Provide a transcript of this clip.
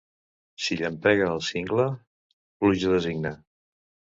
Si llampega al cingle, pluja designa.